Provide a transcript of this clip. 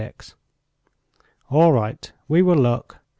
"All right... we will look...